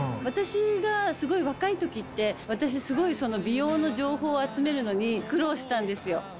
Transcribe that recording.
私が若い時って私すごい美容の情報を集めるのに苦労したんですよ。